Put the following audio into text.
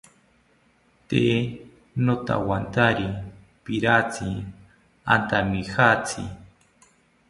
Tee notawantari piratzi antamijatzi